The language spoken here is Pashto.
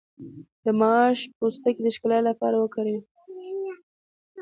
د ماش پوستکی د ښکلا لپاره وکاروئ